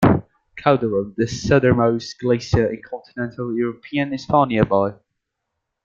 Calderone, the southernmost glacier in Continental European, is found nearby.